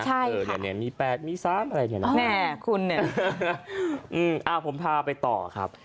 ใช่ค่ะแม่คุณเนี่ยมี๘มี๓อะไรอย่างนี้นะครับผมพาไปต่อครับ